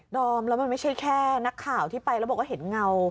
อมแล้วมันไม่ใช่แค่นักข่าวที่ไปแล้วบอกว่าเห็นเงา